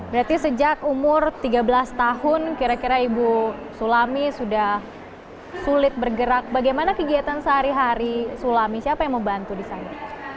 berarti sejak umur tiga belas tahun kira kira ibu sulami sudah sulit bergerak bagaimana kegiatan sehari hari sulami siapa yang membantu di sana